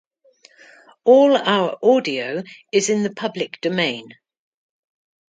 All our audio is in the public domain.